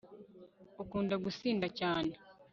ukunda gusinda cyane